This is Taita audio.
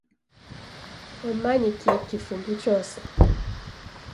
W'amanyikie kifumbu chose.